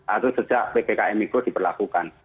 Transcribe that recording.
atau sejak ppkm itu diperlakukan